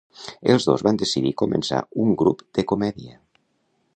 Els dos van decidir començar un grup de comèdia.